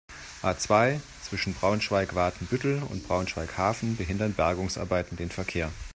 A-zwei, zwischen Braunschweig-Watenbüttel und Braunschweig-Hafen behindern Bergungsarbeiten den Verkehr.